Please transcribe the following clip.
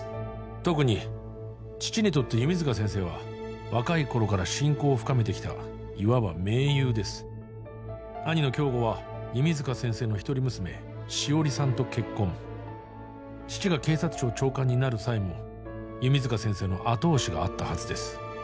特に父にとって弓塚先生は若い頃から親交を深めてきたいわば盟友です兄の京吾は弓塚先生の一人娘汐里さんと結婚父が警察庁長官になる際も弓塚先生の後押しがあったはずです